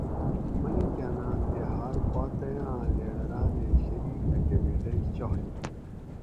ملِکاۤناۤن تے ہاۤر پارٹئی آں لیڈراۤنیں شریک ا کُمیٹئی چائے